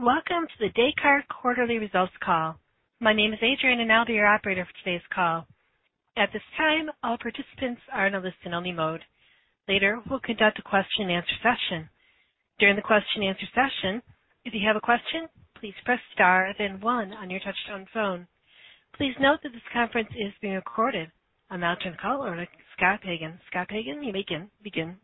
Welcome to the Descartes quarterly results call. My name is Adrianne, and I'll be your operator for today's call. At this time, all participants are in a listen-only mode. Later, we'll conduct a question and answer session. During the question and answer session, if you have a question, please press star then one on your touch-tone phone. Please note that this conference is being recorded. I'll now turn the call over to Scott Pagan. Scott Pagan, you may begin.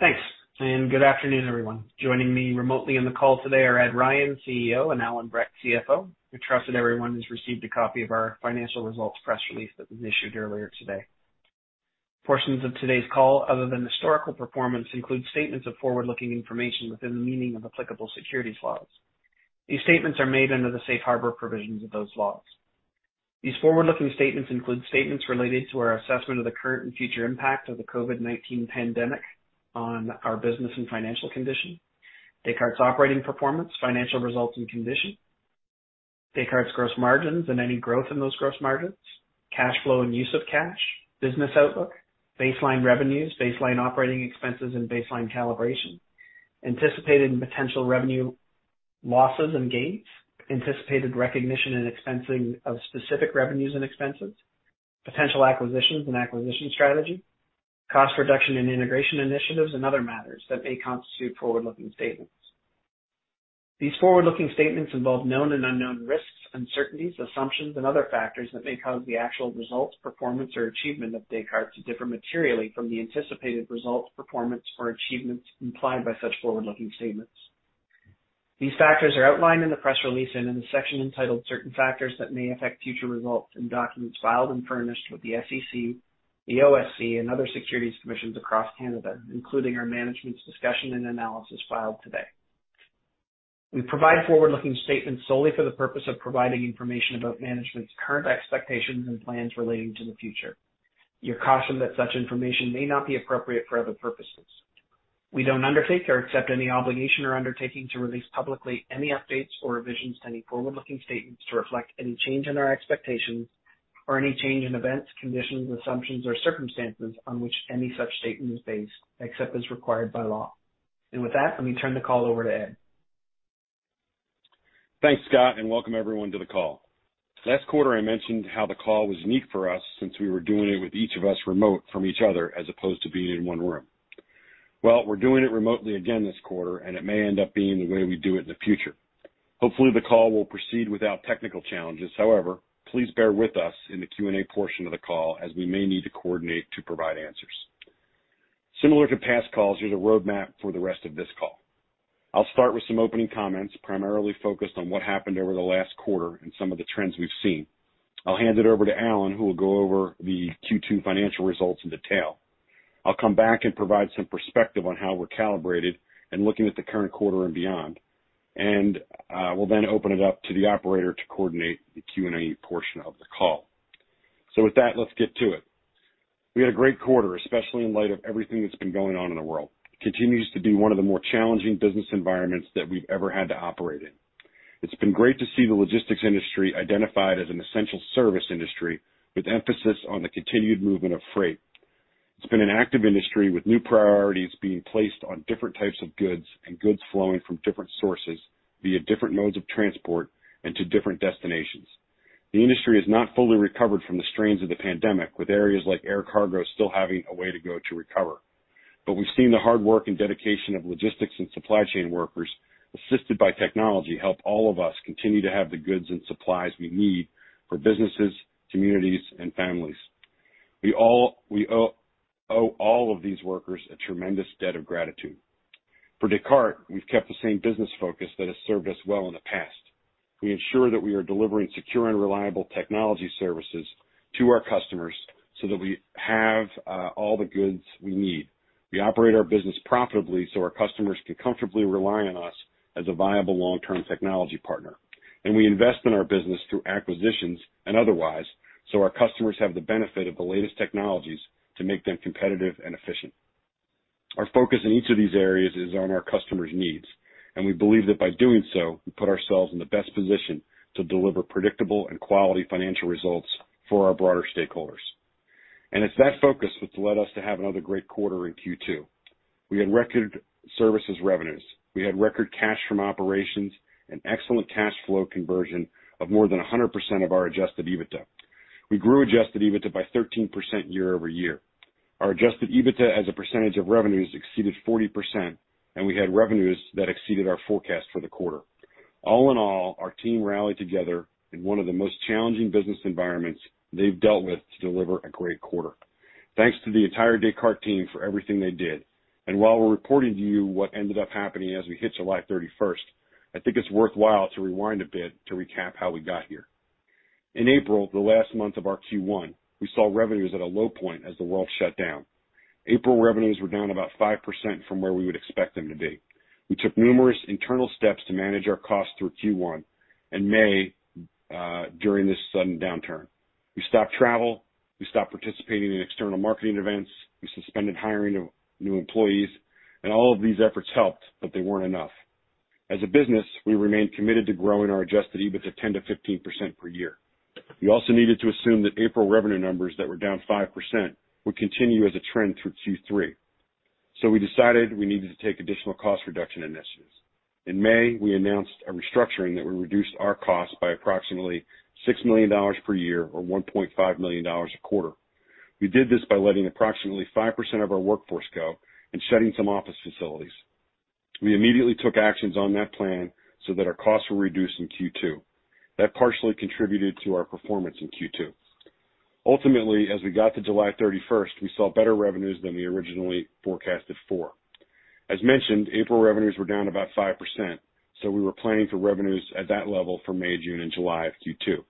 Thanks, and good afternoon, everyone. Joining me remotely on the call today are Ed Ryan, CEO, and Allan Brett, CFO. We trust that everyone has received a copy of our financial results press release that was issued earlier today. Portions of today's call, other than historical performance, include statements of forward-looking information within the meaning of applicable securities laws. These statements are made under the safe harbor provisions of those laws. These forward-looking statements include statements related to our assessment of the current and future impact of the COVID-19 pandemic on our business and financial condition, Descartes' operating performance, financial results and condition, Descartes' gross margins and any growth in those gross margins, cash flow and use of cash, business outlook, baseline revenues, baseline operating expenses, and baseline calibration, anticipated and potential revenue losses and gains, anticipated recognition and expensing of specific revenues and expenses, potential acquisitions and acquisition strategy, cost reduction and integration initiatives, and other matters that may constitute forward-looking statements. These forward-looking statements involve known and unknown risks, uncertainties, assumptions, and other factors that may cause the actual results, performance, or achievement of Descartes to differ materially from the anticipated results, performance, or achievements implied by such forward-looking statements. These factors are outlined in the press release and in the section entitled Certain Factors That May Affect Future Results in documents filed and furnished with the SEC, the OSC, and other securities commissions across Canada, including our management's discussion and analysis filed today. We provide forward-looking statements solely for the purpose of providing information about management's current expectations and plans relating to the future. You're cautioned that such information may not be appropriate for other purposes. We don't undertake or accept any obligation or undertaking to release publicly any updates or revisions to any forward-looking statements to reflect any change in our expectations or any change in events, conditions, assumptions, or circumstances on which any such statement is based, except as required by law. With that, let me turn the call over to Ed. Thanks, Scott, and welcome everyone to the call. Last quarter, I mentioned how the call was unique for us since we were doing it with each of us remote from each other, as opposed to being in one room. Well, we're doing it remotely again this quarter, and it may end up being the way we do it in the future. Hopefully, the call will proceed without technical challenges. However, please bear with us in the Q&A portion of the call, as we may need to coordinate to provide answers. Similar to past calls, here's a roadmap for the rest of this call. I'll start with some opening comments, primarily focused on what happened over the last quarter and some of the trends we've seen. I'll hand it over to Allan, who will go over the Q2 financial results in detail. I'll come back and provide some perspective on how we're calibrated and looking at the current quarter and beyond. We'll then open it up to the operator to coordinate the Q&A portion of the call. With that, let's get to it. We had a great quarter, especially in light of everything that's been going on in the world. It continues to be one of the more challenging business environments that we've ever had to operate in. It's been great to see the logistics industry identified as an essential service industry with emphasis on the continued movement of freight. It's been an active industry with new priorities being placed on different types of goods and goods flowing from different sources via different modes of transport and to different destinations. The industry has not fully recovered from the strains of the pandemic, with areas like air cargo still having a way to go to recover. We've seen the hard work and dedication of logistics and supply chain workers, assisted by technology, help all of us continue to have the goods and supplies we need for businesses, communities, and families. We owe all of these workers a tremendous debt of gratitude. For Descartes, we've kept the same business focus that has served us well in the past. We ensure that we are delivering secure and reliable technology services to our customers so that we have all the goods we need. We operate our business profitably so our customers can comfortably rely on us as a viable long-term technology partner. We invest in our business through acquisitions and otherwise, so our customers have the benefit of the latest technologies to make them competitive and efficient. Our focus in each of these areas is on our customers' needs, and we believe that by doing so, we put ourselves in the best position to deliver predictable and quality financial results for our broader stakeholders. It's that focus that's led us to have another great quarter in Q2. We had record services revenues. We had record cash from operations and excellent cash flow conversion of more than 100% of our adjusted EBITDA. We grew adjusted EBITDA by 13% year-over-year. Our adjusted EBITDA as a percentage of revenues exceeded 40%, and we had revenues that exceeded our forecast for the quarter. Our team rallied together in one of the most challenging business environments they've dealt with to deliver a great quarter. Thanks to the entire Descartes team for everything they did. While we're reporting to you what ended up happening as we hit July 31st, I think it's worthwhile to rewind a bit to recap how we got here. In April, the last month of our Q1, we saw revenues at a low point as the world shut down. April revenues were down about 5% from where we would expect them to be. We took numerous internal steps to manage our costs through Q1 and May during this sudden downturn. We stopped travel, we stopped participating in external marketing events, we suspended hiring of new employees, all of these efforts helped, but they weren't enough. As a business, we remained committed to growing our adjusted EBITDA 10%-15% per year. We also needed to assume that April revenue numbers that were down 5% would continue as a trend through Q3. We decided we needed to take additional cost reduction initiatives. In May, we announced a restructuring that would reduce our cost by approximately $6 million per year or $1.5 million a quarter. We did this by letting approximately 5% of our workforce go and shutting some office facilities. We immediately took actions on that plan so that our costs were reduced in Q2. That partially contributed to our performance in Q2. Ultimately, as we got to July 31st, we saw better revenues than we originally forecasted for. As mentioned, April revenues were down about 5%, so we were planning for revenues at that level for May, June, and July of Q2.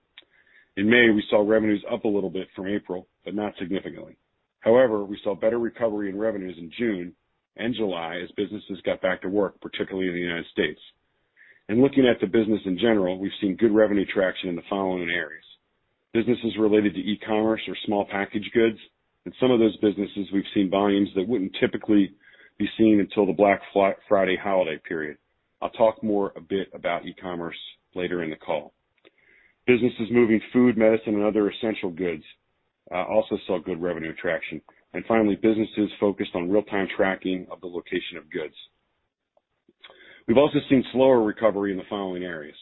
In May, we saw revenues up a little bit from April, but not significantly. However, we saw better recovery in revenues in June and July as businesses got back to work, particularly in the U.S. Looking at the business in general, we've seen good revenue traction in the following areas. Businesses related to e-commerce or small package goods. In some of those businesses, we've seen volumes that wouldn't typically be seen until the Black Friday holiday period. I'll talk more a bit about e-commerce later in the call. Businesses moving food, medicine, and other essential goods also saw good revenue traction. Finally, businesses focused on real-time tracking of the location of goods. We've also seen slower recovery in the following areas.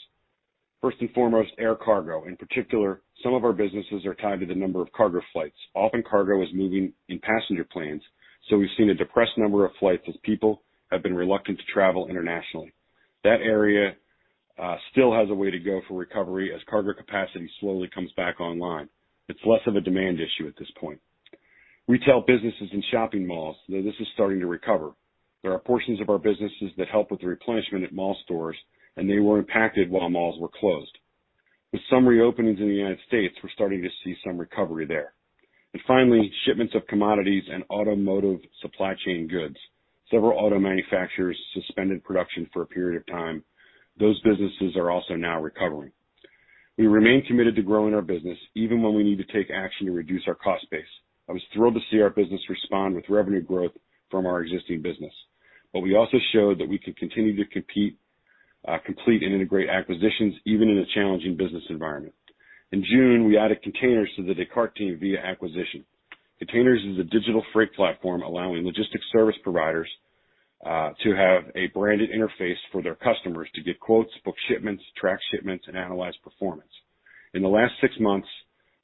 First and foremost, air cargo. In particular, some of our businesses are tied to the number of cargo flights. Often cargo is moving in passenger planes, so we've seen a depressed number of flights as people have been reluctant to travel internationally. That area still has a way to go for recovery as cargo capacity slowly comes back online. It's less of a demand issue at this point. Retail businesses and shopping malls, though this is starting to recover. There are portions of our businesses that help with the replenishment at mall stores, and they were impacted while malls were closed. With some reopenings in the U.S., we're starting to see some recovery there. Finally, shipments of commodities and automotive supply chain goods. Several auto manufacturers suspended production for a period of time. Those businesses are also now recovering. We remain committed to growing our business even when we need to take action to reduce our cost base. I was thrilled to see our business respond with revenue growth from our existing business. We also showed that we can continue to compete, complete, and integrate acquisitions even in a challenging business environment. In June, we added Kontainers to the Descartes team via acquisition. Kontainers is a digital freight platform allowing logistics service providers to have a branded interface for their customers to give quotes, book shipments, track shipments, and analyze performance. The last six months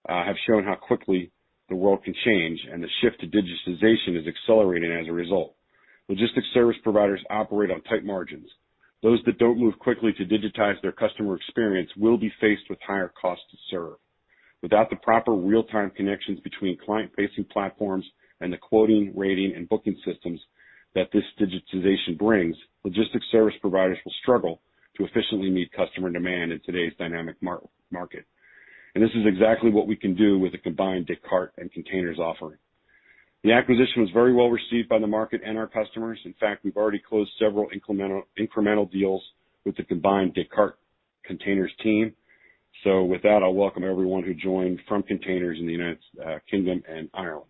have shown how quickly the world can change, and the shift to digitization is accelerating as a result. Logistics service providers operate on tight margins. Those that don't move quickly to digitize their customer experience will be faced with higher costs to serve. Without the proper real-time connections between client-facing platforms and the quoting, rating, and booking systems that this digitization brings, logistics service providers will struggle to efficiently meet customer demand in today's dynamic market. This is exactly what we can do with a combined Descartes and Kontainers offering. The acquisition was very well received by the market and our customers. In fact, we've already closed several incremental deals with the combined Descartes-Kontainers team. With that, I'll welcome everyone who joined from Kontainers in the United Kingdom and Ireland.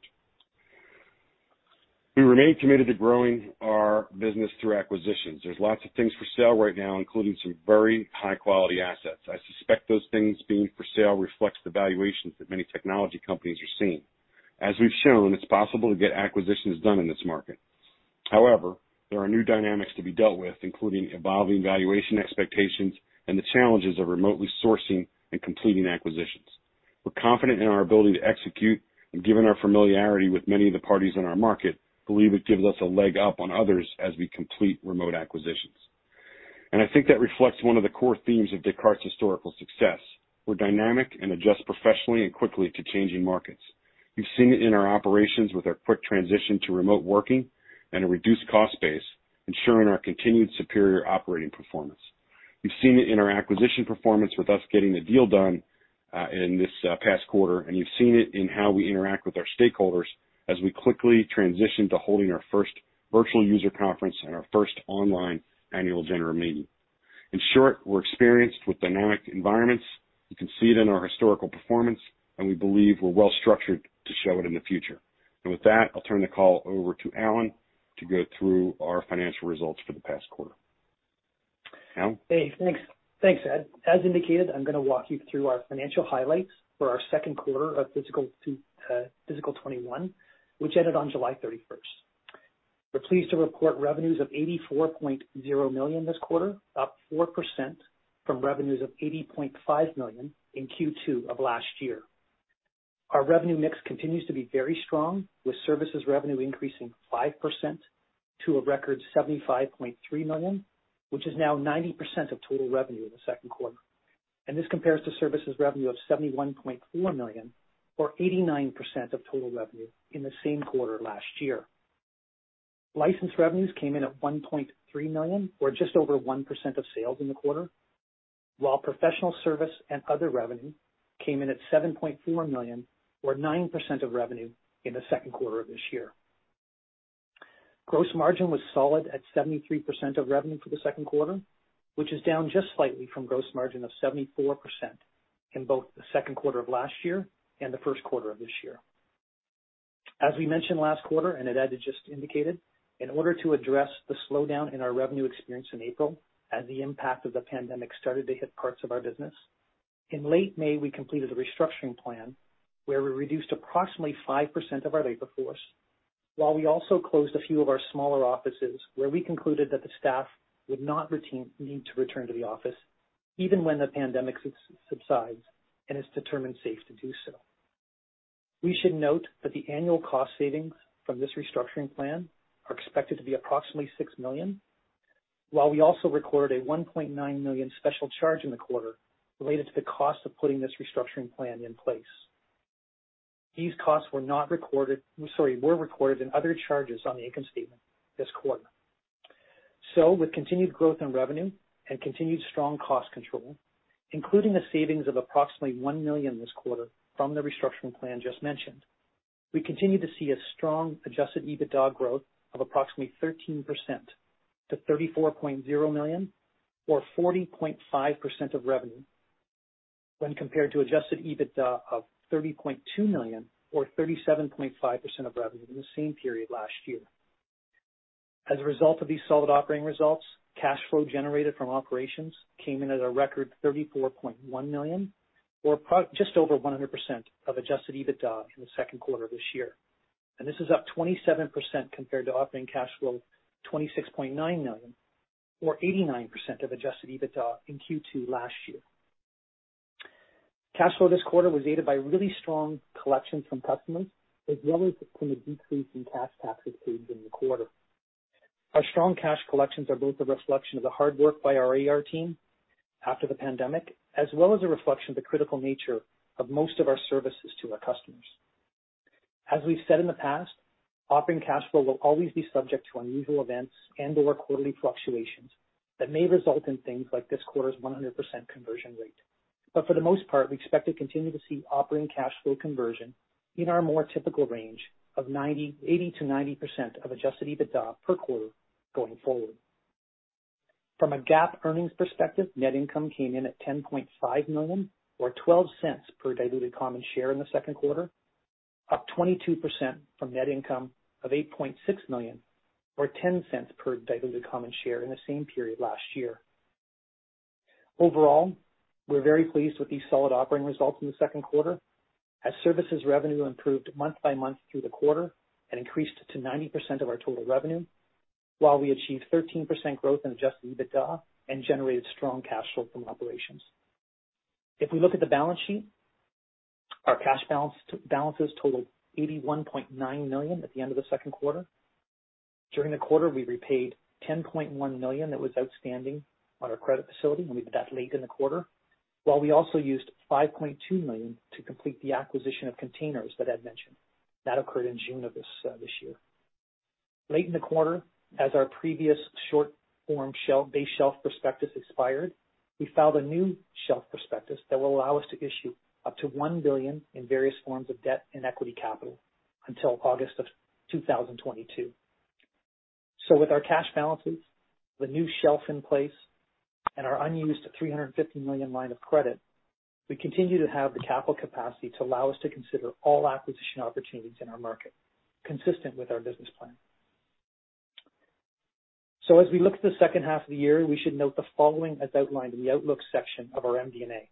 We remain committed to growing our business through acquisitions. There's lots of things for sale right now, including some very high-quality assets. I suspect those things being for sale reflects the valuations that many technology companies are seeing. As we've shown, it's possible to get acquisitions done in this market. However, there are new dynamics to be dealt with, including evolving valuation expectations and the challenges of remotely sourcing and completing acquisitions. We're confident in our ability to execute, given our familiarity with many of the parties in our market, believe it gives us a leg up on others as we complete remote acquisitions. I think that reflects one of the core themes of Descartes' historical success. We're dynamic and adjust professionally and quickly to changing markets. You've seen it in our operations with our quick transition to remote working and a reduced cost base, ensuring our continued superior operating performance. You've seen it in our acquisition performance with us getting the deal done, in this past quarter, you've seen it in how we interact with our stakeholders as we quickly transition to holding our first virtual user conference and our first online Annual General Meeting. In short, we're experienced with dynamic environments. You can see it in our historical performance, we believe we're well-structured to show it in the future. With that, I'll turn the call over to Allan to go through our financial results for the past quarter. Allan? Thanks. Thanks, Ed. As indicated, I am going to walk you through our financial highlights for our second quarter of FY 2021, which ended on July 31st. We are pleased to report revenues of $84.0 million this quarter, up 4% from revenues of $80.5 million in Q2 of last year. Our revenue mix continues to be very strong, with services revenue increasing 5% to a record $75.3 million, which is now 90% of total revenue in the second quarter. This compares to services revenue of $71.4 million or 89% of total revenue in the same quarter last year. License revenues came in at $1.3 million or just over 1% of sales in the quarter, while professional service and other revenue came in at $7.4 million or 9% of revenue in the second quarter of this year. Gross margin was solid at 73% of revenue for the second quarter, which is down just slightly from gross margin of 74% in both the second quarter of last year and the first quarter of this year. As we mentioned last quarter, and that Ed just indicated, in order to address the slowdown in our revenue experience in April as the impact of the pandemic started to hit parts of our business, in late May, we completed a restructuring plan where we reduced approximately 5% of our labor force, while we also closed a few of our smaller offices where we concluded that the staff would not need to return to the office even when the pandemic subsides and is determined safe to do so. We should note that the annual cost savings from this restructuring plan are expected to be approximately $6 million, while we also recorded a $1.9 million special charge in the quarter related to the cost of putting this restructuring plan in place. These costs were recorded in other charges on the income statement this quarter. With continued growth in revenue and continued strong cost control, including a savings of approximately $1 million this quarter from the restructuring plan just mentioned, we continue to see a strong adjusted EBITDA growth of approximately 13% to $34.0 million or 40.5% of revenue when compared to adjusted EBITDA of $30.2 million or 37.5% of revenue in the same period last year. As a result of these solid operating results, cash flow generated from operations came in at a record $34.1 million or just over 100% of adjusted EBITDA in the second quarter of this year. This is up 27% compared to operating cash flow $26.9 million or 89% of adjusted EBITDA in Q2 last year. Cash flow this quarter was aided by really strong collections from customers as well as from a decrease in cash taxes paid during the quarter. Our strong cash collections are both a reflection of the hard work by our AR team after the pandemic as well as a reflection of the critical nature of most of our services to our customers. As we've said in the past, operating cash flow will always be subject to unusual events and/or quarterly fluctuations that may result in things like this quarter's 100% conversion rate. For the most part, we expect to continue to see operating cash flow conversion in our more typical range of 80%-90% of adjusted EBITDA per quarter going forward. From a GAAP earnings perspective, net income came in at $10.5 million or $0.12 per diluted common share in the second quarter, up 22% from net income of $8.6 million or $0.10 per diluted common share in the same period last year. Overall, we are very pleased with these solid operating results in the second quarter as services revenue improved month by month through the quarter and increased to 90% of our total revenue while we achieved 13% growth in adjusted EBITDA and generated strong cash flow from operations. If we look at the balance sheet, our cash balances totaled $81.9 million at the end of the second quarter. During the quarter, we repaid $10.1 million that was outstanding on our credit facility, and we did that late in the quarter. While we also used $5.2 million to complete the acquisition of Kontainers that Ed mentioned. That occurred in June of this year. Late in the quarter, as our previous short-form base shelf prospectus expired, we filed a new shelf prospectus that will allow us to issue up to 1 billion in various forms of debt and equity capital until August of 2022. With our cash balances, the new shelf in place, and our unused $350 million line of credit, we continue to have the capital capacity to allow us to consider all acquisition opportunities in our market consistent with our business plan. As we look to the second half of the year, we should note the following as outlined in the outlook section of our MD&A.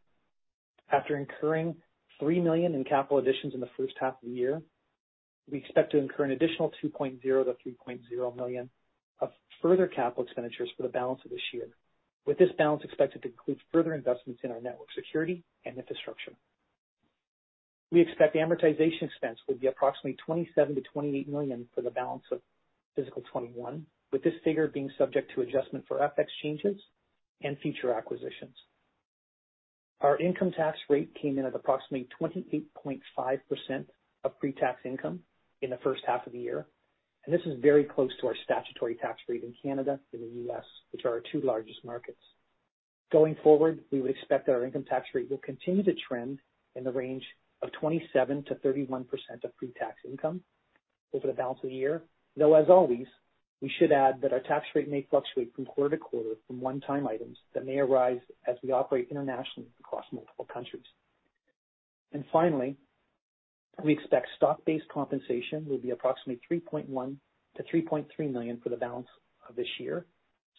After incurring $3 million in capital additions in the first half of the year, we expect to incur an additional $2.0 million-$3.0 million of further capital expenditures for the balance of this year, with this balance expected to include further investments in our network security and infrastructure. We expect amortization expense will be approximately $27 million-$28 million for the balance of fiscal 2021, with this figure being subject to adjustment for FX changes and future acquisitions. Our income tax rate came in at approximately 28.5% of pre-tax income in the first half of the year. This is very close to our statutory tax rate in Canada and the U.S., which are our two largest markets. Going forward, we would expect that our income tax rate will continue to trend in the range of 27%-31% of pre-tax income over the balance of the year. Though as always, we should add that our tax rate may fluctuate from quarter to quarter from one-time items that may arise as we operate internationally across multiple countries. Finally, we expect stock-based compensation will be approximately $3.1 million-$3.3 million for the balance of this year,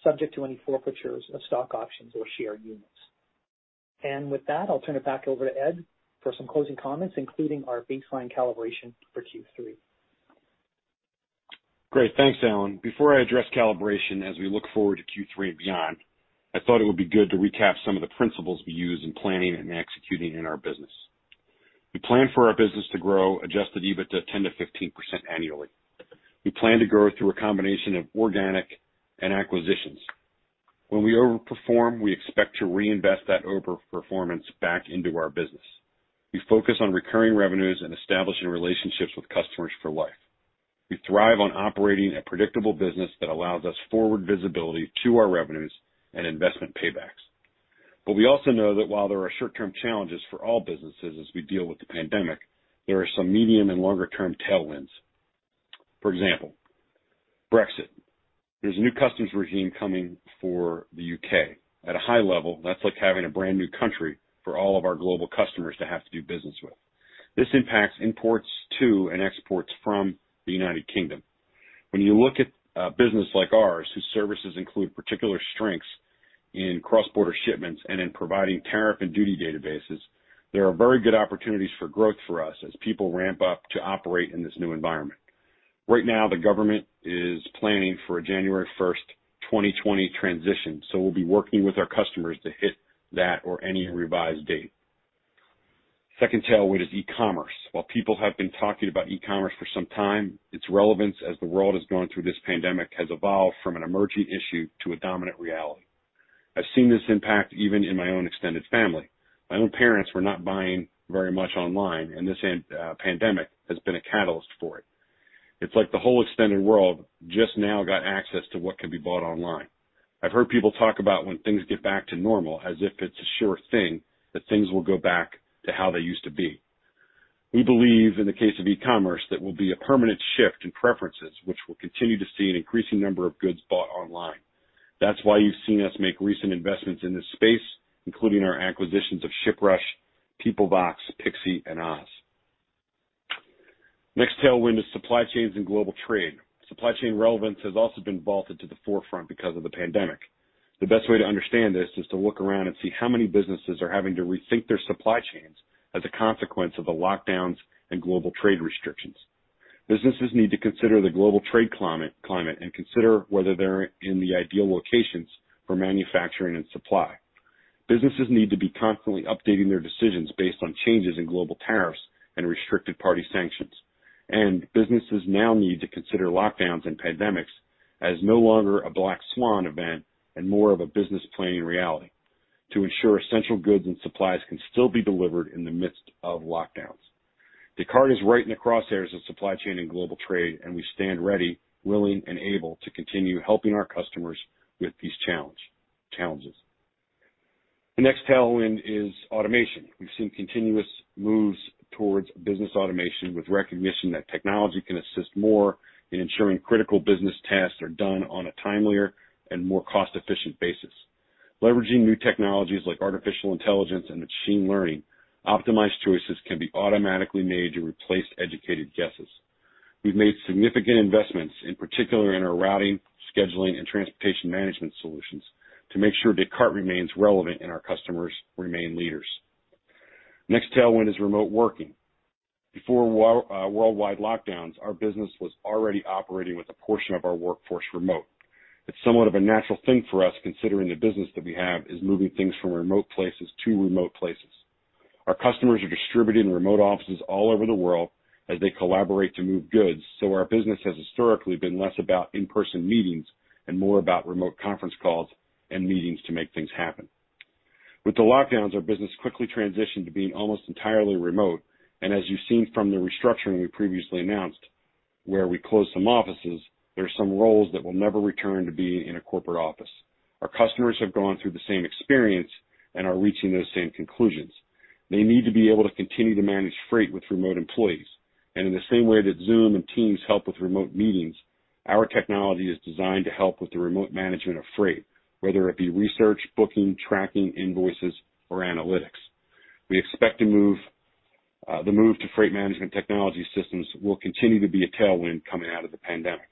subject to any forfeitures of stock options or share units. With that, I'll turn it back over to Ed for some closing comments, including our baseline calibration for Q3. Great. Thanks, Allan. Before I address calibration as we look forward to Q3 and beyond, I thought it would be good to recap some of the principles we use in planning and executing in our business. We plan for our business to grow adjusted EBITDA 10%-15% annually. We plan to grow through a combination of organic and acquisitions. When we overperform, we expect to reinvest that overperformance back into our business. We focus on recurring revenues and establishing relationships with customers for life. We thrive on operating a predictable business that allows us forward visibility to our revenues and investment paybacks. We also know that while there are short-term challenges for all businesses as we deal with the pandemic, there are some medium and longer-term tailwinds. For example, Brexit. There's a new customs regime coming for the U.K. At a high level, that's like having a brand-new country for all of our global customers to have to do business with. This impacts imports to and exports from the U.K. When you look at a business like ours, whose services include particular strengths in cross-border shipments and in providing tariff and duty databases, there are very good opportunities for growth for us as people ramp up to operate in this new environment. Right now, the government is planning for a January 1st, 2020 transition, so we'll be working with our customers to hit that or any revised date. Second tailwind is e-commerce. While people have been talking about e-commerce for some time, its relevance as the world has gone through this pandemic has evolved from an emerging issue to a dominant reality. I've seen this impact even in my own extended family. My own parents were not buying very much online, and this pandemic has been a catalyst for it. It's like the whole extended world just now got access to what can be bought online. I've heard people talk about when things get back to normal, as if it's a sure thing that things will go back to how they used to be. We believe, in the case of e-commerce, that will be a permanent shift in preferences, which we'll continue to see an increasing number of goods bought online. That's why you've seen us make recent investments in this space, including our acquisitions of ShipRush, Peoplevox, pixi, and Oz. Next tailwind is supply chains and global trade. Supply chain relevance has also been vaulted to the forefront because of the pandemic. The best way to understand this is to look around and see how many businesses are having to rethink their supply chains as a consequence of the lockdowns and global trade restrictions. Businesses need to consider the global trade climate and consider whether they're in the ideal locations for manufacturing and supply. Businesses need to be constantly updating their decisions based on changes in global tariffs and restricted party sanctions. Businesses now need to consider lockdowns and pandemics as no longer a black swan event and more of a business planning reality to ensure essential goods and supplies can still be delivered in the midst of lockdowns. Descartes is right in the crosshairs of supply chain and global trade, and we stand ready, willing, and able to continue helping our customers with these challenges. The next tailwind is automation. We've seen continuous moves towards business automation with recognition that technology can assist more in ensuring critical business tasks are done on a timelier and more cost-efficient basis. Leveraging new technologies like artificial intelligence and machine learning, optimized choices can be automatically made to replace educated guesses. We've made significant investments, in particular in our routing, scheduling, and transportation management solutions to make sure Descartes remains relevant and our customers remain leaders. Next tailwind is remote working. Before worldwide lockdowns, our business was already operating with a portion of our workforce remote. It's somewhat of a natural thing for us, considering the business that we have is moving things from remote places to remote places. Our customers are distributed in remote offices all over the world as they collaborate to move goods. Our business has historically been less about in-person meetings and more about remote conference calls and meetings to make things happen. With the lockdowns, our business quickly transitioned to being almost entirely remote. As you've seen from the restructuring we previously announced, where we closed some offices, there are some roles that will never return to being in a corporate office. Our customers have gone through the same experience and are reaching those same conclusions. They need to be able to continue to manage freight with remote employees. In the same way that Zoom and Teams help with remote meetings, our technology is designed to help with the remote management of freight, whether it be research, booking, tracking, invoices, or analytics. We expect the move to freight management technology systems will continue to be a tailwind coming out of the pandemic.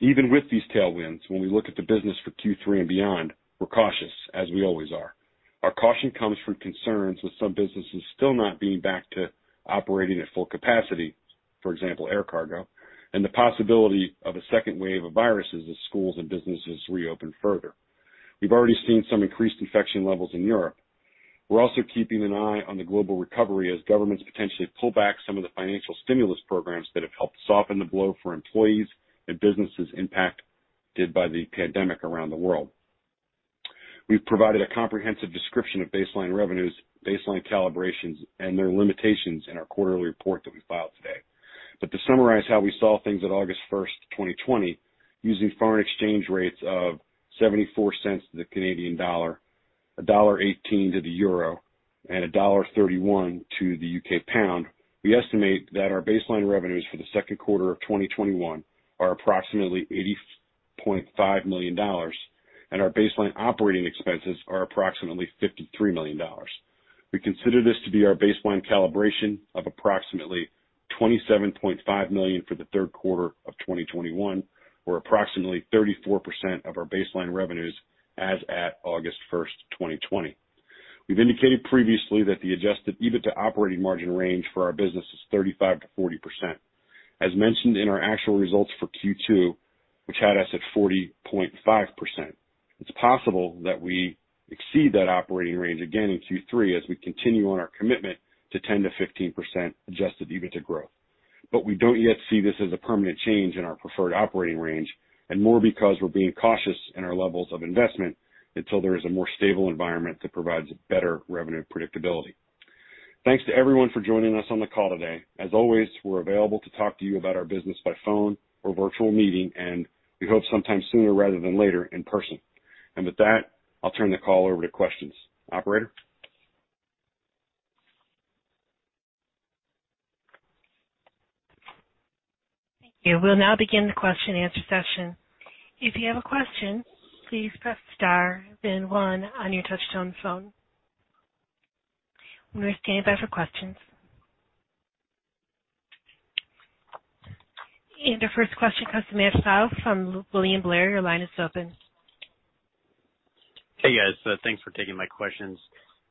Even with these tailwinds, when we look at the business for Q3 and beyond, we're cautious, as we always are. Our caution comes from concerns with some businesses still not being back to operating at full capacity, for example, air cargo, and the possibility of a second wave of viruses as schools and businesses reopen further. We've already seen some increased infection levels in Europe. We're also keeping an eye on the global recovery as governments potentially pull back some of the financial stimulus programs that have helped soften the blow for employees and businesses impacted by the pandemic around the world. We've provided a comprehensive description of baseline revenues, baseline calibrations, and their limitations in our quarterly report that we filed today. To summarize how we saw things at August 1st, 2020, using foreign exchange rates of $0.74 to the Canadian dollar, $1.18 to the euro, and $1.31 to the U.K. pound, we estimate that our baseline revenues for the second quarter of 2021 are approximately $80.5 million, and our baseline operating expenses are approximately $53 million. We consider this to be our baseline calibration of approximately $27.5 million for the third quarter of 2021, or approximately 34% of our baseline revenues as at August 1st, 2020. We've indicated previously that the adjusted EBITDA operating margin range for our business is 35%-40%. As mentioned in our actual results for Q2, which had us at 40.5%, it's possible that we exceed that operating range again in Q3 as we continue on our commitment to 10%-15% adjusted EBITDA growth. We don't yet see this as a permanent change in our preferred operating range and more because we're being cautious in our levels of investment until there is a more stable environment that provides better revenue predictability. Thanks to everyone for joining us on the call today. As always, we're available to talk to you about our business by phone or virtual meeting, and we hope sometime sooner rather than later in person. With that, I'll turn the call over to questions. Operator? Thank you. We'll now begin the question and answer session. If you have a question, please press star then one on your touchtone phone. We're standing by for questions. The first question comes from Matthew Pfau from William Blair. Your line is open. Hey, guys. Thanks for taking my questions.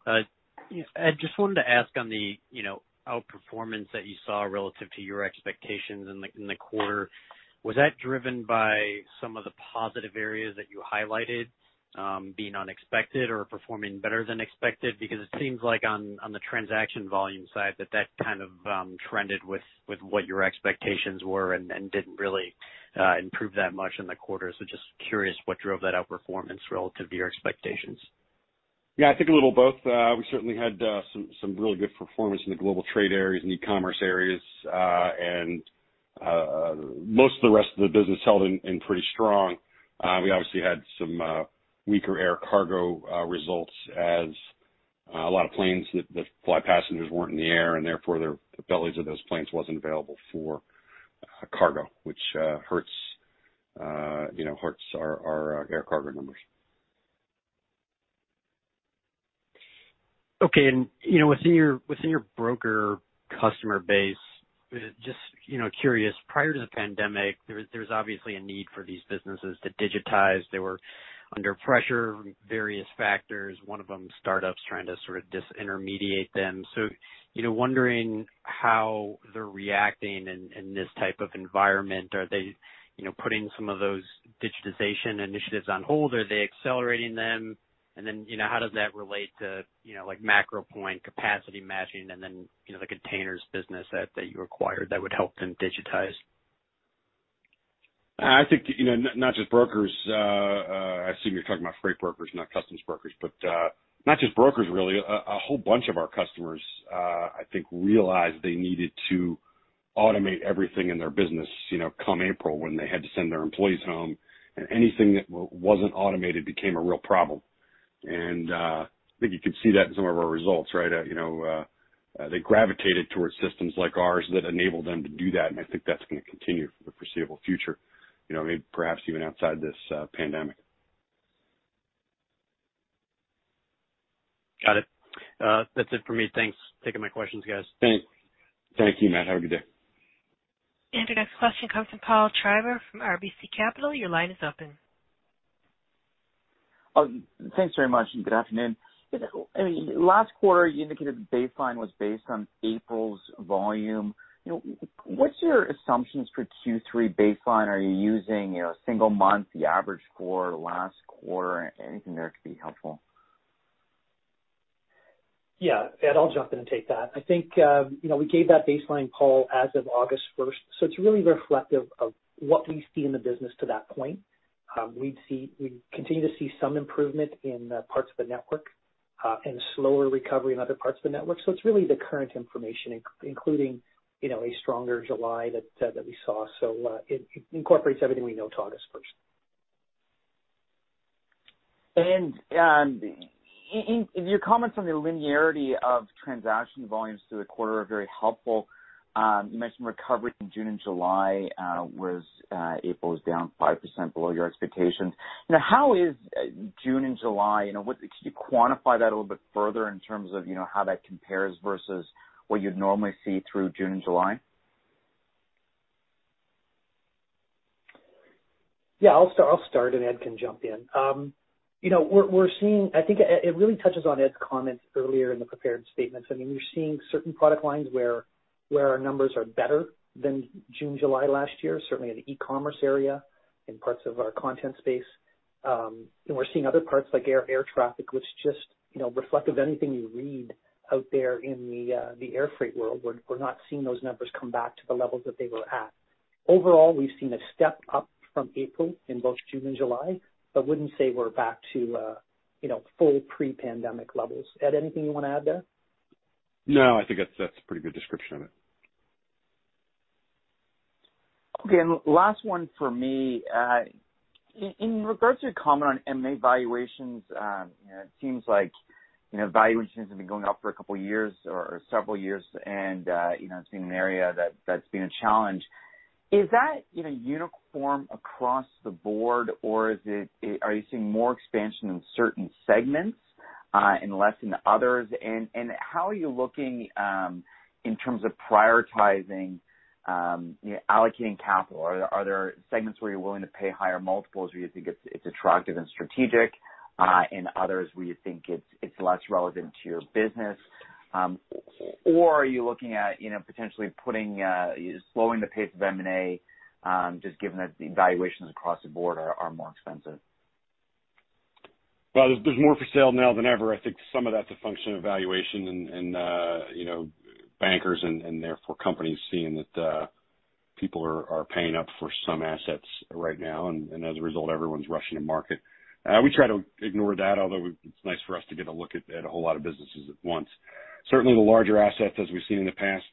I just wanted to ask on the outperformance that you saw relative to your expectations in the quarter, was that driven by some of the positive areas that you highlighted being unexpected or performing better than expected? It seems like on the transaction volume side that that kind of trended with what your expectations were and didn't really improve that much in the quarter. Just curious what drove that outperformance relative to your expectations. I think a little of both. We certainly had some really good performance in the global trade areas and e-commerce areas. Most of the rest of the business held in pretty strong. We obviously had some weaker air cargo results as a lot of planes that fly passengers weren't in the air, and therefore, the bellies of those planes wasn't available for cargo, which hurts our air cargo numbers. Okay. Within your broker customer base, just curious, prior to the pandemic, there was obviously a need for these businesses to digitize. They were under pressure from various factors, one of them startups trying to sort of disintermediate them. Wondering how they're reacting in this type of environment. Are they putting some of those digitization initiatives on hold? Are they accelerating them? How does that relate to MacroPoint capacity matching and then the Kontainers business that you acquired that would help them digitize? I think, not just brokers. I assume you're talking about freight brokers, not customs brokers. Not just brokers, really. A whole bunch of our customers, I think, realized they needed to automate everything in their business come April when they had to send their employees home, and anything that wasn't automated became a real problem. I think you could see that in some of our results, right? They gravitated towards systems like ours that enabled them to do that, and I think that's going to continue for the foreseeable future. Maybe perhaps even outside this pandemic. Got it. That's it for me. Thanks for taking my questions, guys. Thanks. Thank you, Matt. Have a good day. Your next question comes from Paul Treiber from RBC Capital. Your line is open. Thanks very much, and good afternoon. Last quarter, you indicated the baseline was based on April's volume. What's your assumptions for Q3 baseline? Are you using a single month, the average for last quarter? Anything there that could be helpful? Ed, I'll jump in and take that. I think we gave that baseline, Paul, as of August 1st. It's really reflective of what we see in the business to that point. We continue to see some improvement in parts of the network and slower recovery in other parts of the network. It's really the current information, including a stronger July that we saw. It incorporates everything we know to August 1st. Your comments on the linearity of transaction volumes through the quarter are very helpful. You mentioned recovery in June and July, whereas April was down 5% below your expectations. How is June and July, could you quantify that a little bit further in terms of how that compares versus what you'd normally see through June and July? I'll start, and Ed can jump in. I think it really touches on Ed's comments earlier in the prepared statements. We're seeing certain product lines where our numbers are better than June, July last year, certainly in the e-commerce area, in parts of our content space. We're seeing other parts like air traffic, which just reflective of anything you read out there in the air freight world. We're not seeing those numbers come back to the levels that they were at. Overall, we've seen a step up from April in both June and July, but wouldn't say we're back to full pre-pandemic levels. Ed, anything you want to add there? No, I think that's a pretty good description of it. Okay. Last one for me. In regards to your comment on M&A valuations, it seems like valuations have been going up for a couple of years or several years, and it's been an area that's been a challenge. Is that uniform across the board, or are you seeing more expansion in certain segments and less in others? How are you looking in terms of prioritizing allocating capital? Are there segments where you're willing to pay higher multiples where you think it's attractive and strategic and others where you think it's less relevant to your business? Are you looking at potentially slowing the pace of M&A just given that the valuations across the board are more expensive? Well, there's more for sale now than ever. I think some of that's a function of valuation and bankers and therefore companies seeing that people are paying up for some assets right now, and as a result, everyone's rushing to market. We try to ignore that, although it's nice for us to get a look at a whole lot of businesses at once. Certainly the larger assets, as we've seen in the past,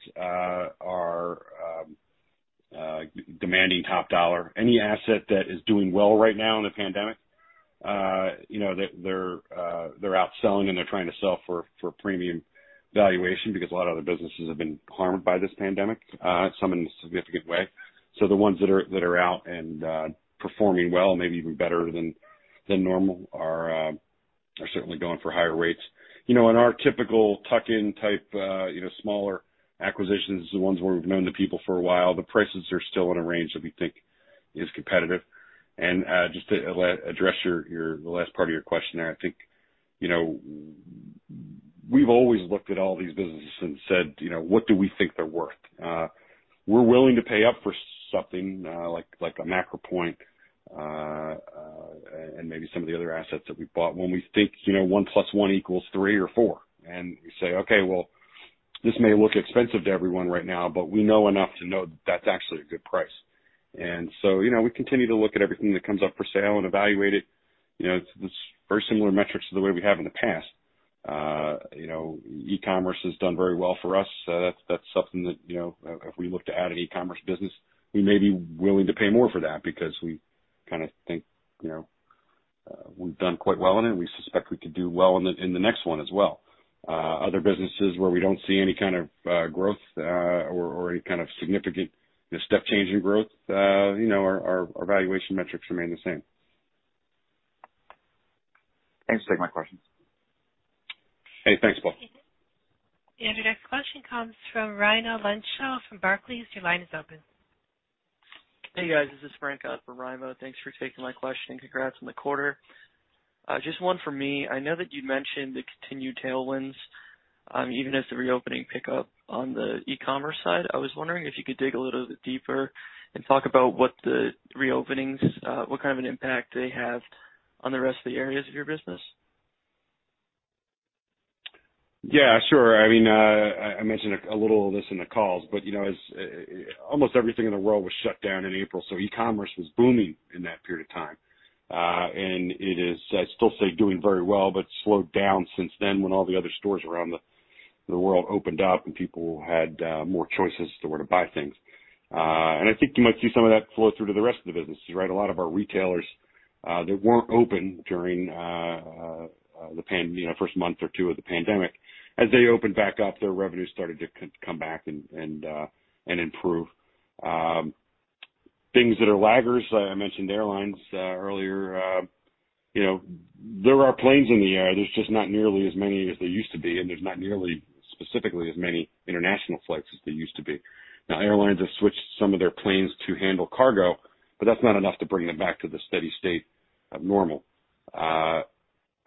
demanding top dollar. Any asset that is doing well right now in the pandemic, they're out selling and they're trying to sell for premium valuation because a lot of other businesses have been harmed by this pandemic, some in a significant way. The ones that are out and performing well, maybe even better than normal, are certainly going for higher rates. In our typical tuck-in type, smaller acquisitions, the ones where we've known the people for a while, the prices are still in a range that we think is competitive. Just to address the last part of your question there, I think, we've always looked at all these businesses and said, "What do we think they're worth?" We're willing to pay up for something like a MacroPoint, and maybe some of the other assets that we've bought when we think one plus one equals three or four, and we say, "Okay, well, this may look expensive to everyone right now, but we know enough to know that's actually a good price." So, we continue to look at everything that comes up for sale and evaluate it. It's very similar metrics to the way we have in the past. E-commerce has done very well for us. That's something that, if we look to add an e-commerce business, we may be willing to pay more for that because we think we've done quite well in it. We suspect we could do well in the next one as well. Other businesses where we don't see any kind of growth, or any kind of significant step change in growth, our valuation metrics remain the same. Thanks. Take my questions. Hey, thanks, Paul. Your next question comes from Raimo Lenschow from Barclays. Your line is open. Hey, guys, this is Franco from Raimo. Thanks for taking my question. Congrats on the quarter. Just one for me. I know that you mentioned the continued tailwinds, even as the reopening pick up on the e-commerce side. I was wondering if you could dig a little bit deeper and talk about what the reopenings, what kind of an impact they have on the rest of the areas of your business. Yeah, sure. I mentioned a little of this in the calls, as almost everything in the world was shut down in April, e-commerce was booming in that period of time. It is, I'd still say, doing very well, but slowed down since then when all the other stores around the world opened up and people had more choices as to where to buy things. I think you might see some of that flow through to the rest of the businesses, right? A lot of our retailers, that weren't open during the first month or two of the pandemic, as they opened back up, their revenue started to come back and improve. Things that are laggers, I mentioned airlines earlier. There are planes in the air. There's just not nearly as many as there used to be, and there's not nearly, specifically, as many international flights as there used to be. Now, airlines have switched some of their planes to handle cargo, but that's not enough to bring them back to the steady state of normal.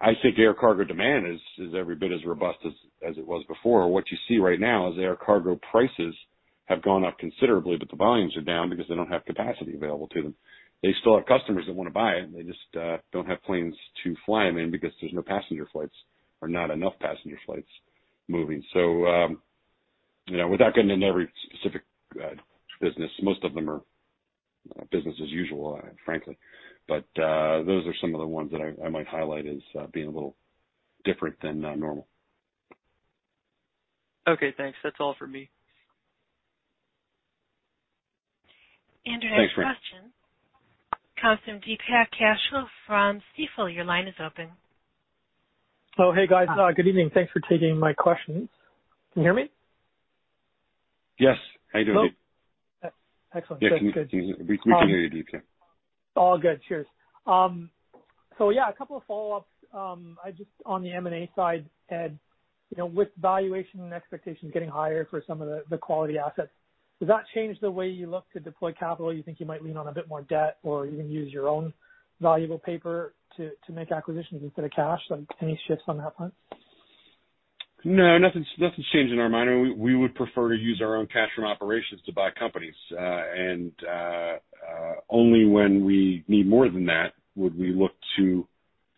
I think air cargo demand is every bit as robust as it was before. What you see right now is air cargo prices have gone up considerably, but the volumes are down because they don't have capacity available to them. They still have customers that want to buy it, and they just don't have planes to fly them in because there's no passenger flights or not enough passenger flights moving. Without getting into every specific business, most of them are business as usual, frankly. Those are some of the ones that I might highlight as being a little different than normal. Okay, thanks. That's all for me. Your next question. Thanks, Franco. comes from Deepak Kaushal from Stifel. Your line is open. Oh, hey, guys. Good evening. Thanks for taking my questions. Can you hear me? Yes. How you doing, Deepak? Excellent. Good. We can hear you, Deepak. All good. Cheers. Yeah, a couple of follow-ups. Just on the M&A side, Ed, with valuation and expectations getting higher for some of the quality assets, does that change the way you look to deploy capital? You think you might lean on a bit more debt, or even use your own valuable paper to make acquisitions instead of cash? Like, any shifts on that front? No, nothing's changed in our mind. We would prefer to use our own cash from operations to buy companies. Only when we need more than that would we look to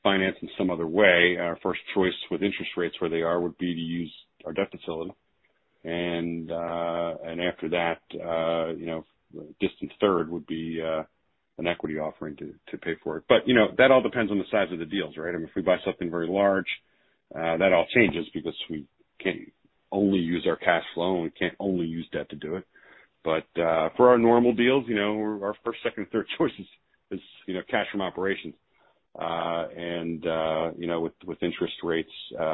finance in some other way. Our first choice with interest rates where they are would be to use our debt facility. After that, a distant third would be an equity offering to pay for it. That all depends on the size of the deals, right? I mean, if we buy something very large, that all changes because we can't only use our cash flow and we can't only use debt to do it. For our normal deals, our first, second, and third choice is cash from operations. With interest rates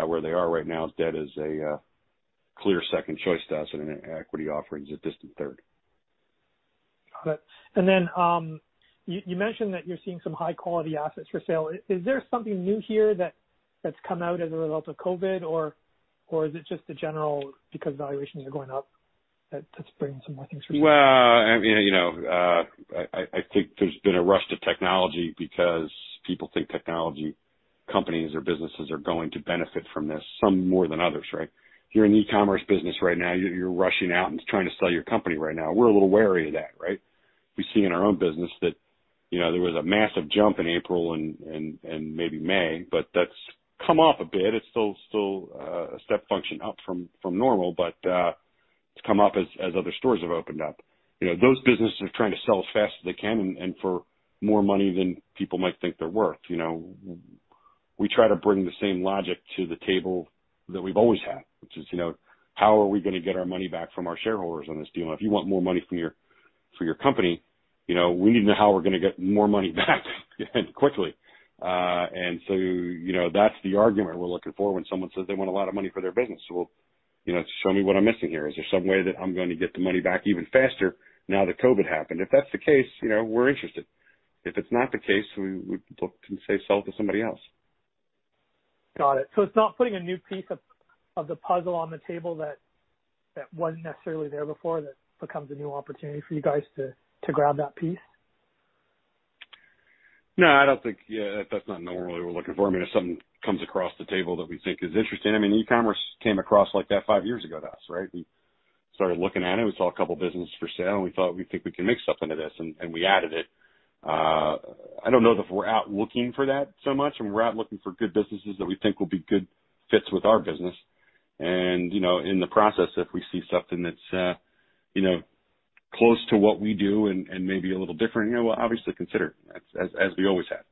where they are right now, debt is a clear second choice to us, and an equity offering is a distant third. Got it. You mentioned that you're seeing some high-quality assets for sale. Is there something new here that's come out as a result of COVID, or is it just a general because valuations are going up, that's bringing some more things for sale? Well, I think there's been a rush to technology because people think technology companies or businesses are going to benefit from this, some more than others, right? If you're an e-commerce business right now, you're rushing out and trying to sell your company right now. We're a little wary of that, right? We see in our own business that there was a massive jump in April and maybe May, but that's come off a bit. It's still a step function up from normal. It's come off as other stores have opened up. Those businesses are trying to sell as fast as they can and for more money than people might think they're worth. We try to bring the same logic to the table that we've always had, which is, how are we going to get our money back from our shareholders on this deal? If you want more money for your company, we need to know how we're going to get more money back, and quickly. That's the argument we're looking for when someone says they want a lot of money for their business. Well, show me what I'm missing here. Is there some way that I'm going to get the money back even faster now that COVID happened? If that's the case, we're interested. If it's not the case, we would look and say sell to somebody else. Got it. It's not putting a new piece of the puzzle on the table that wasn't necessarily there before, that becomes a new opportunity for you guys to grab that piece? No, I don't think. That's not normally what we're looking for. If something comes across the table that we think is interesting, e-commerce came across like that five years ago to us. We started looking at it. We saw a couple businesses for sale, and we thought, we think we can make something of this, and we added it. I don't know that we're out looking for that so much. We're out looking for good businesses that we think will be good fits with our business. In the process, if we see something that's close to what we do and maybe a little different, we'll obviously consider it, as we always have.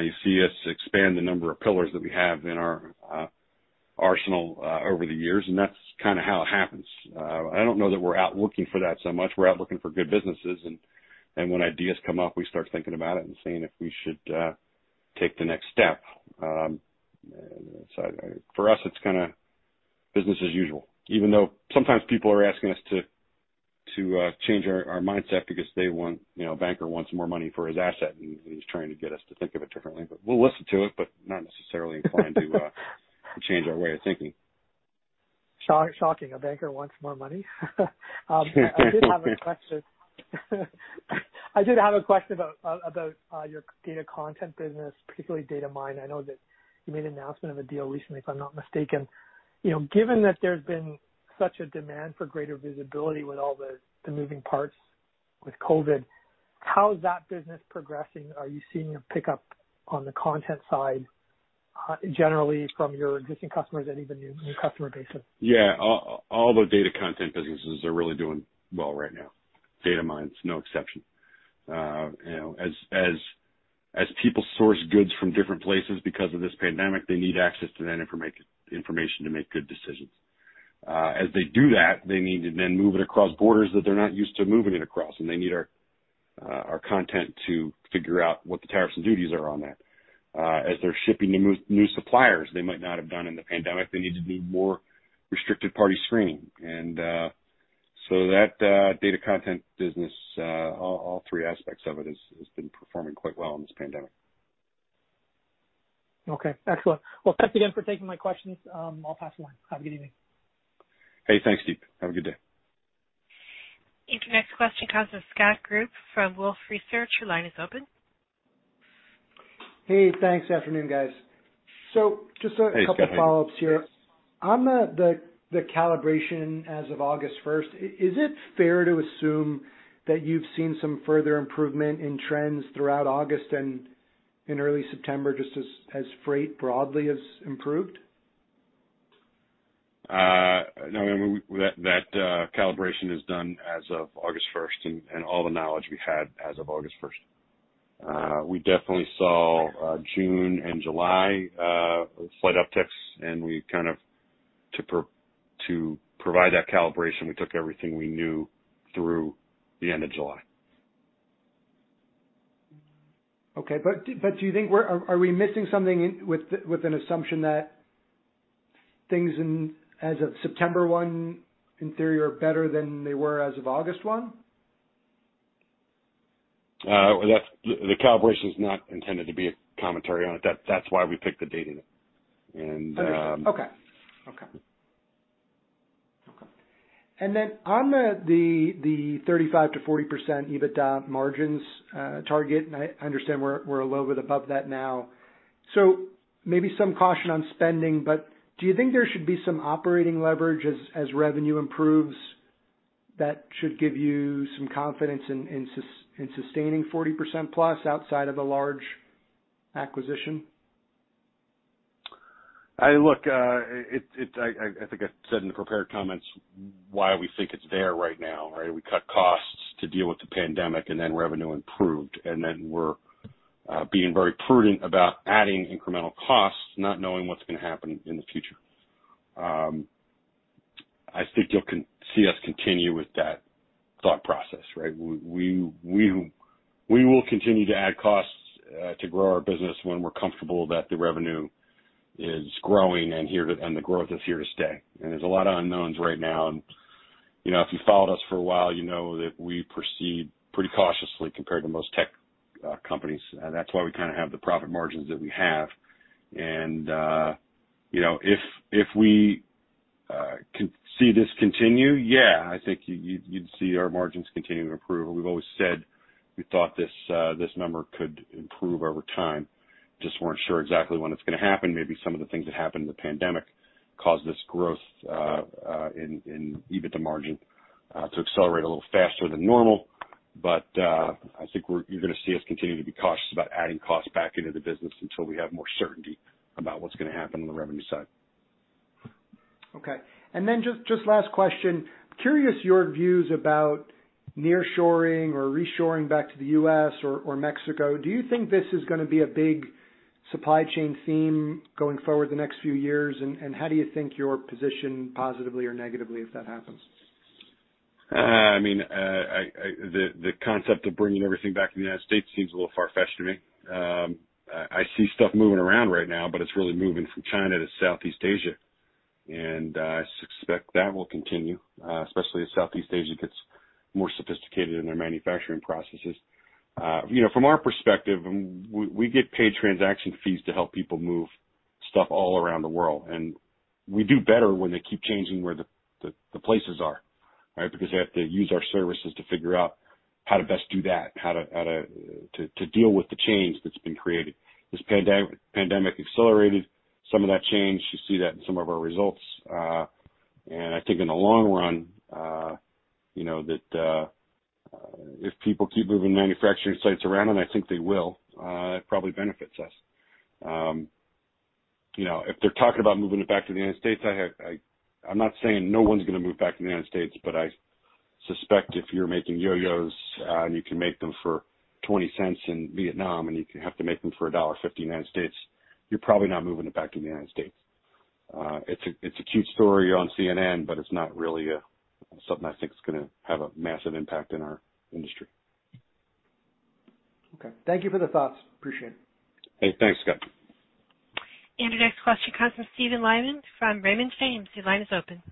You see us expand the number of pillars that we have in our arsenal over the years. That's kind of how it happens. I don't know that we're out looking for that so much. We're out looking for good businesses, and when ideas come up, we start thinking about it and seeing if we should take the next step. For us, it's business as usual, even though sometimes people are asking us to change our mindset because a banker wants more money for his asset, and he's trying to get us to think of it differently. We'll listen to it, but not necessarily inclined to change our way of thinking. Shocking. A banker wants more money? I did have a question about your data content business, particularly Datamyne. I know that you made an announcement of a deal recently, if I'm not mistaken. Given that there's been such a demand for greater visibility with all the moving parts with COVID, how is that business progressing? Are you seeing a pickup on the content side, generally from your existing customers and even new customer bases? Yeah. All the data content businesses are really doing well right now. Datamyne is no exception. As people source goods from different places because of this pandemic, they need access to that information to make good decisions. As they do that, they need to then move it across borders that they're not used to moving it across, and they need our content to figure out what the tariffs and duties are on that. As they're shipping to new suppliers they might not have done in the pandemic, they need to do more restricted party screening. So that data content business, all three aspects of it, has been performing quite well in this pandemic. Okay. Excellent. Well, thank you again for taking my questions. I'll pass the line. Have a good evening. Hey, thanks, Deepak. Have a good day. Your next question comes from Scott Group from Wolfe Research. Your line is open. Hey, thanks. Afternoon, guys. Hey, Scott. Couple follow-ups here. On the calibration as of August 1st, is it fair to assume that you've seen some further improvement in trends throughout August and in early September, just as freight broadly has improved? No. That calibration is done as of August 1st and all the knowledge we had as of August 1st. We definitely saw June and July slight upticks, to provide that calibration, we took everything we knew through the end of July. Okay. Do you think are we missing something with an assumption that things as of September 1, in theory, are better than they were as of August 1? The calibration is not intended to be a commentary on it. That's why we picked the date. Understood. Okay. Then on the 35%-40% EBITDA margins target, and I understand we're a little bit above that now, so maybe some caution on spending, but do you think there should be some operating leverage as revenue improves that should give you some confidence in sustaining 40%+ outside of a large acquisition? Look, I think I said in the prepared comments why we think it's there right now. We cut costs to deal with the pandemic, and then revenue improved, and then we're being very prudent about adding incremental costs, not knowing what's going to happen in the future. I think you'll see us continue with that thought process. We will continue to add costs to grow our business when we're comfortable that the revenue is growing and the growth is here to stay. There's a lot of unknowns right now, and if you followed us for a while you know that we proceed pretty cautiously compared to most tech companies. That's why we have the profit margins that we have. If we see this continue, yeah, I think you'd see our margins continue to improve. We've always said we thought this number could improve over time. Just weren't sure exactly when it's going to happen. Maybe some of the things that happened in the pandemic caused this growth in EBITDA margin to accelerate a little faster than normal. I think you're going to see us continue to be cautious about adding costs back into the business until we have more certainty about what's going to happen on the revenue side. Okay. Just last question. Curious your views about nearshoring or reshoring back to the U.S. or Mexico. Do you think this is going to be a big supply chain theme going forward the next few years, and how do you think you're positioned positively or negatively if that happens? The concept of bringing everything back to the U.S. seems a little far-fetched to me. I see stuff moving around right now, but it's really moving from China to Southeast Asia, and I suspect that will continue, especially as Southeast Asia gets more sophisticated in their manufacturing processes. From our perspective, we get paid transaction fees to help people move stuff all around the world, and we do better when they keep changing where the places are, right? They have to use our services to figure out how to best do that, how to deal with the change that's been created. This pandemic accelerated some of that change. You see that in some of our results. I think in the long run, that if people keep moving manufacturing sites around, and I think they will, it probably benefits us. If they're talking about moving it back to the United States, I'm not saying no one's going to move back to the United States, but I suspect if you're making yo-yos and you can make them for $0.20 in Vietnam and you have to make them for $1.50 in the United States, you're probably not moving it back to the United States. It's a cute story on CNN, but it's not really something I think is going to have a massive impact in our industry. Okay. Thank you for the thoughts. Appreciate it. Hey, thanks, Scott. Your next question comes from Steven Li from Raymond James. Your line is open.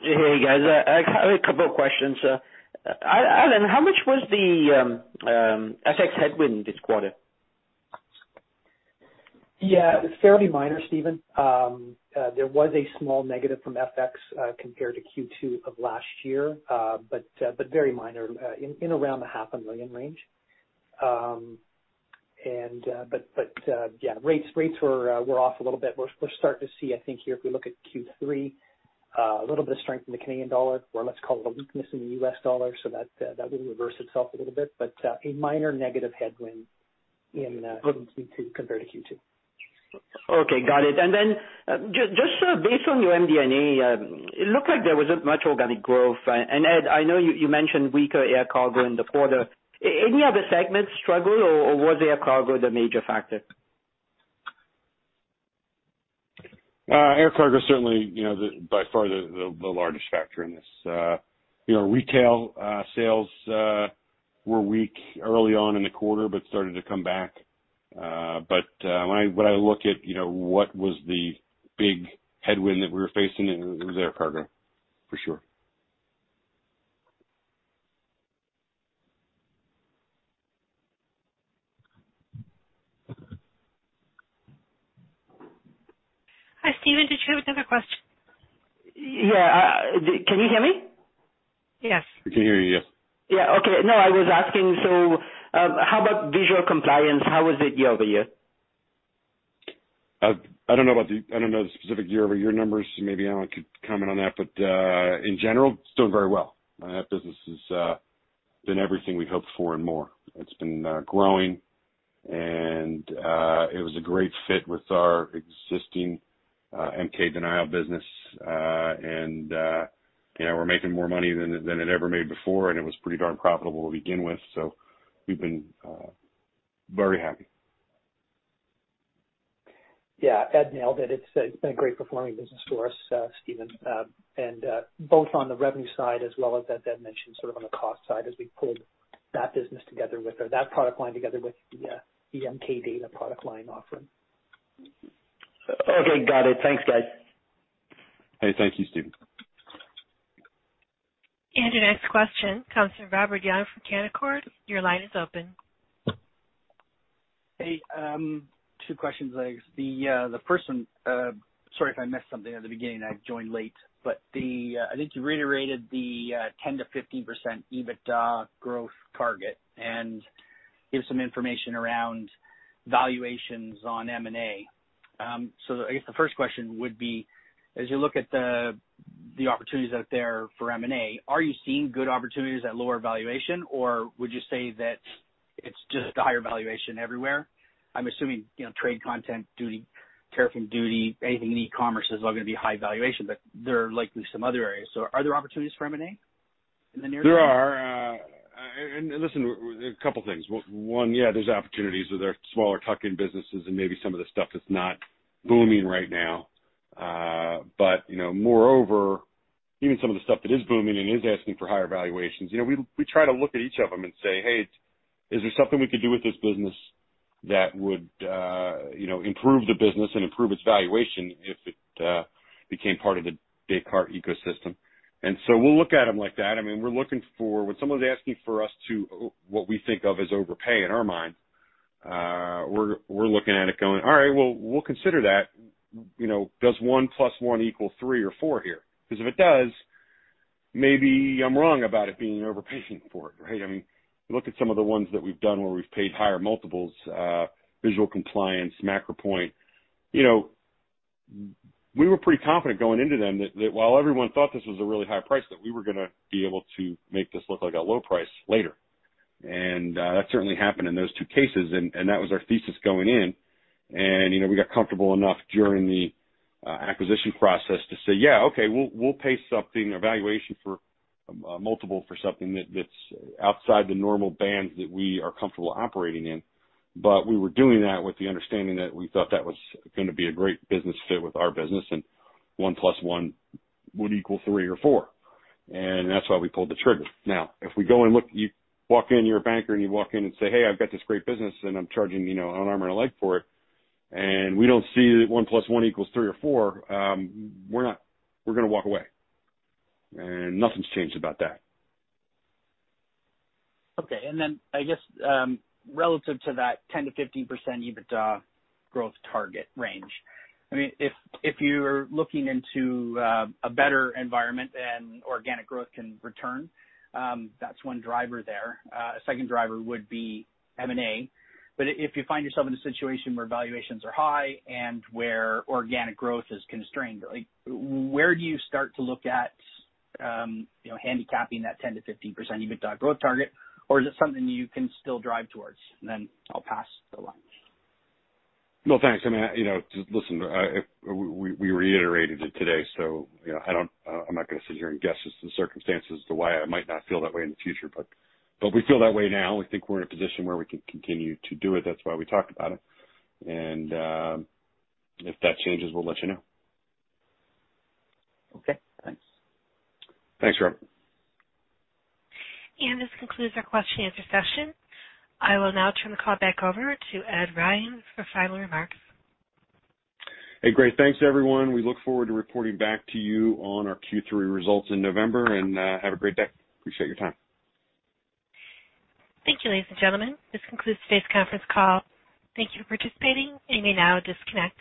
Hey, guys. I have a couple of questions. Allan, how much was the FX headwind this quarter? Yeah, it was fairly minor, Steven. There was a small negative from FX compared to Q2 of last year. Very minor, in around the half a million range. Yeah, rates were off a little bit. We're starting to see, I think here, if we look at Q3, a little bit of strength in the Canadian dollar, or let's call it a weakness in the US dollar. That will reverse itself a little bit, but a minor negative headwind in Q2 compared to Q2. Okay, got it. Then just based on your MD&A, it looked like there wasn't much organic growth. Ed, I know you mentioned weaker air cargo in the quarter. Any other segments struggle, or was air cargo the major factor? Air cargo is certainly by far the largest factor in this. Retail sales were weak early on in the quarter but started to come back. When I look at what was the big headwind that we were facing, it was air cargo, for sure. Hi, Steven, did you have another question? Yeah. Can you hear me? Yes. We can hear you, yes. Yeah. Okay. No, I was asking, how about Visual Compliance? How was it year-over-year? I don't know the specific year-over-year numbers. Maybe Allan could comment on that. But in general, it's doing very well. That business has done everything we hoped for and more. It's been growing and it was a great fit with our existing MK Denial business. And we're making more money than it ever made before, and it was pretty darn profitable to begin with. So we've been very happy. Yeah, Ed nailed it. It's been a great performing business for us, Steven, both on the revenue side as well as Ed mentioned, sort of on the cost side as we pulled that business together with or that product line together with the MK Data product line offering. Okay, got it. Thanks, guys. Hey, thank you, Steven. Your next question comes from Robert Young from Canaccord. Your line is open. Hey, two questions. The first one. Sorry if I missed something at the beginning, I joined late. I think you reiterated the 10%-15% EBITDA growth target and gave some information around valuations on M&A. I guess the first question would be, as you look at the opportunities out there for M&A, are you seeing good opportunities at lower valuation, or would you say that it's just a higher valuation everywhere? I'm assuming trade content duty, tariff and duty, anything in e-commerce is all going to be high valuation, but there are likely some other areas. Are there opportunities for M&A in the near term? There are. Listen, a couple things. One, yeah, there's opportunities where there are smaller tuck-in businesses and maybe some of the stuff that's not booming right now. Moreover, even some of the stuff that is booming and is asking for higher valuations. We try to look at each of them and say, "Hey, is there something we could do with this business that would improve the business and improve its valuation if it became part of the Descartes ecosystem?" So we'll look at them like that. When someone's asking for us to, what we think of as overpay in our mind, we're looking at it going, "All right, well, we'll consider that. Does one plus one equal three or four here?" If it does, maybe I'm wrong about it being overpaying for it, right? You look at some of the ones that we've done where we've paid higher multiples, Visual Compliance, MacroPoint. We were pretty confident going into them that while everyone thought this was a really high price, that we were going to be able to make this look like a low price later. That certainly happened in those two cases, and that was our thesis going in. We got comfortable enough during the acquisition process to say, "Yeah, okay, we'll pay something, a valuation for a multiple for something that's outside the normal bands that we are comfortable operating in. "We were doing that with the understanding that we thought that was going to be a great business fit with our business, and one plus one would equal three or four. That's why we pulled the trigger. If we go and look, you walk in, you're a banker, and you walk in and say, "Hey, I've got this great business, and I'm charging an arm and a leg for it," and we don't see that one plus one equals three or four, we're going to walk away. Nothing's changed about that. Okay. I guess, relative to that 10%-15% EBITDA growth target range, if you're looking into a better environment and organic growth can return, that's one driver there. A second driver would be M&A. If you find yourself in a situation where valuations are high and where organic growth is constrained, where do you start to look at handicapping that 10%-15% EBITDA growth target? Is it something you can still drive towards? I'll pass the line. No, thanks. Listen, we reiterated it today, I'm not going to sit here and guess as to the circumstances to why I might not feel that way in the future. We feel that way now. We think we're in a position where we can continue to do it. That's why we talked about it. If that changes, we'll let you know. Okay, thanks. Thanks, Robert. This concludes our question and answer session. I will now turn the call back over to Ed Ryan for final remarks. Hey, great, thanks everyone. We look forward to reporting back to you on our Q3 results in November. Have a great day. Appreciate your time. Thank you, ladies and gentlemen. This concludes today's conference call. Thank you for participating. You may now disconnect.